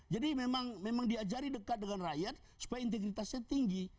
memang diajari dekat dengan rakyat supaya integritasnya tinggi